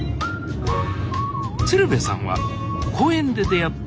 鶴瓶さんは公園で出会った